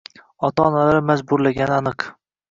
Ota-onalari majburlagani aniq